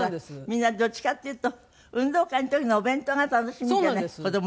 みんなどっちかっていうと運動会の時のお弁当が楽しみじゃない子供にとっちゃ。